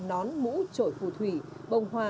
nón mũ trổi phù thủy bông hoa